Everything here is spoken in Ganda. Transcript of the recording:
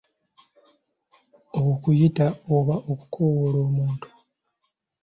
Okuyita oba okukoowoola omuntu.